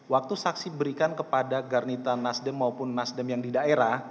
waktu saksi berikan kepada garnita nasdem maupun nasdem yang di daerah